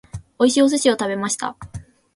美味しいお寿司を食べました。